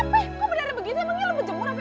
fikri digebukin sama orang be